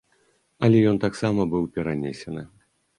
Але ён таксама быў перанесены.